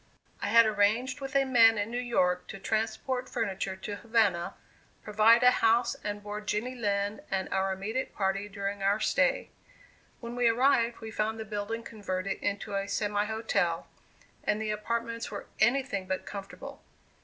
'" I had arranged with a man in New York to transport furniture to Havana, provide a house, and board Jenny Lind and our immediate party during our stay. When we arrived, we found the building converted into a semi hotel, and the apartments were any thing but comfortable.